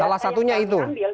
salah satunya itu